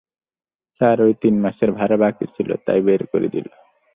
Sir, ওই তিন মাসের ভাড়া বাকী ছিলো তাই বের করে দিলো।